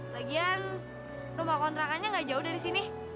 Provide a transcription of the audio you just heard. lagian rumah kontrakannya nggak jauh dari sini